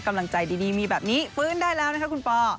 กำลังใจดีมีแบบนี้ฟื้นได้แล้วนะคะคุณปอ